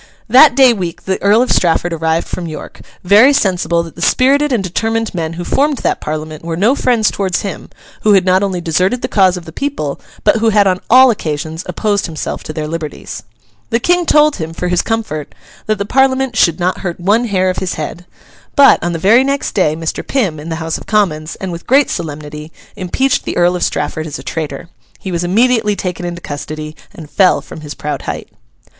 That day week the Earl of Strafford arrived from York, very sensible that the spirited and determined men who formed that Parliament were no friends towards him, who had not only deserted the cause of the people, but who had on all occasions opposed himself to their liberties. The King told him, for his comfort, that the Parliament 'should not hurt one hair of his head.' But, on the very next day Mr. Pym, in the House of Commons, and with great solemnity, impeached the Earl of Strafford as a traitor. He was immediately taken into custody and fell from his proud height.